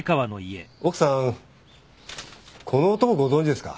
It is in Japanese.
奥さんこの男ご存じですか？